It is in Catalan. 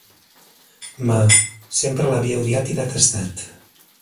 Ma, sempre l"havia odiat i detestat.